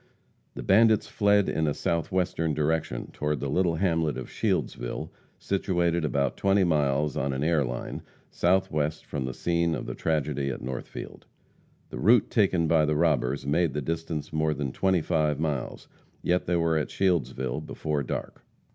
The bandits fled in a southwestern direction, toward the little hamlet of Shieldsville, situated about 20 miles on an air line, southwest from the scene of the tragedy at Northfield. The route taken by the robbers made the distance more than twenty five miles; yet they were at Shieldsville before dark.